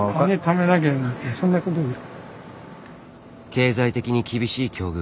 経済的に厳しい境遇。